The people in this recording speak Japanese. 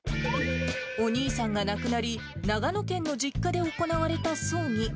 お兄さんが亡くなり、長野県の実家で行われた葬儀。